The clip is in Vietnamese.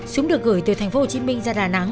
súng được gửi từ tp hcm ra đà nẵng